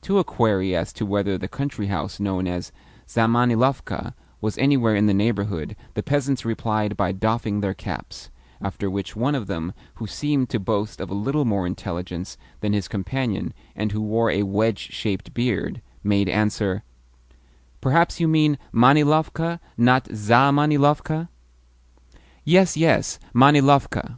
To a query as to whether the country house known as Zamanilovka was anywhere in the neighbourhood the peasants replied by doffing their caps; after which one of them who seemed to boast of a little more intelligence than his companion, and who wore a wedge shaped beard, made answer: "Perhaps you mean Manilovka not ZAmanilovka?" "Yes, yes Manilovka."